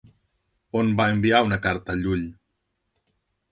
On va enviar una carta Llull?